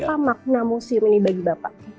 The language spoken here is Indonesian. apa makna museum ini bagi bapak